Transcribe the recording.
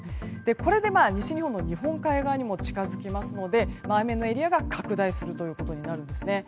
これで西日本の日本海側にも近づきますので雨のエリアが拡大することになるんですね。